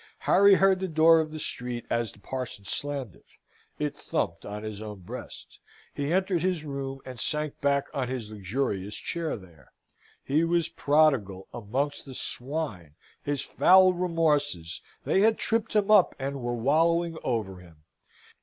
Harry heard the door of the street as the parson slammed it. It thumped on his own breast. He entered his room, and sank back on his luxurious chair there. He was Prodigal, amongst the swine his foul remorses; they had tripped him up, and were wallowing over him.